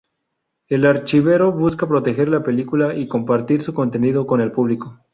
El archivero busca proteger la película y compartir su contenido con el público.